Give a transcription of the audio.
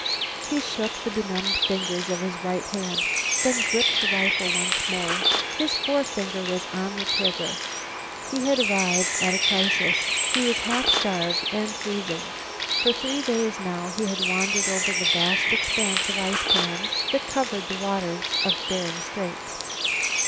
He shook the benumbed fingers of his right hand, then gripped the rifle once more. His forefinger was on the trigger. He had arrived at a crisis. He was half starved and freezing. For three days now he had wandered over the vast expanse of ice pans that covered the waters of Bering Straits.